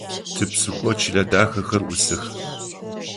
Типсыхъо чылэ дахэхэр ӏусых.